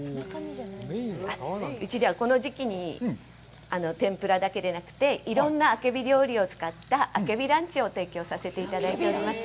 うちではこの時期に天ぷらだけでなくて、いろんなあけび料理を使ったあけびランチを提供させていただいております。